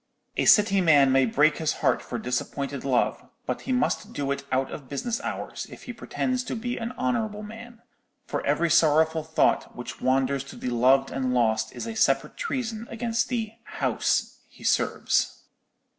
A City man may break his heart for disappointed love, but he must do it out of business hours if he pretends to be an honourable man: for every sorrowful thought which wanders to the loved and lost is a separate treason against the 'house' he serves.